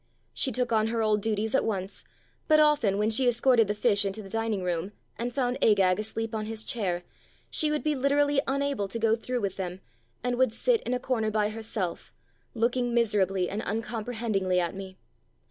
She took on her old duties at once, but often when she escorted the fish into the dining room and found Agag asleep on his chair, she would be literally un able to go through with them, and would sit in a corner by herself, looking miserably and uncompre hendingly at me.